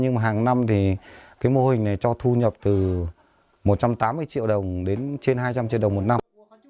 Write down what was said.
nhưng mà hàng năm thì cái mô hình này cho thu nhập từ một trăm tám mươi triệu đồng đến trên hai trăm linh triệu đồng một năm